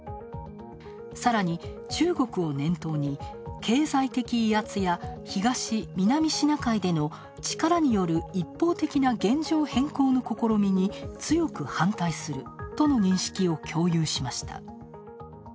さらに、中国を念頭に経済的威圧や東・南シナ海での力による一方的な現状変更の試みに強く反対するとの認識を共有しました。